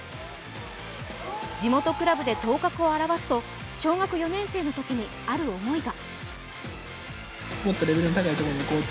地元クラブで頭角を現すと、小学４年生のときにある思いが。